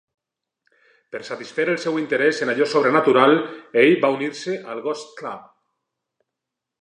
Per satisfer el seu interès en allò sobrenatural, ell va unir-se al "Ghost Club".